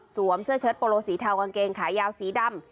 เสื้อเชิดโปโลสีเทากางเกงขายาวสีดำ